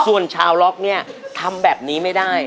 ส่วนชาวล็อคทำแบบนี้ไม่ได้